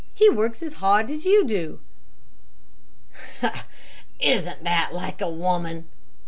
He works as hard as you do." "Isn't that like a woman?"